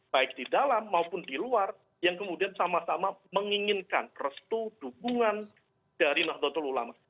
baik di dalam maupun di luar yang kemudian sama sama menginginkan restu dukungan dari nahdlatul ulama